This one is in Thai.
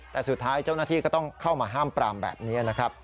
แต่สุดท้ายเจ้าหน้าที่ก็ต้องเข้ามาห้ามปรามแบบนี้นะครับ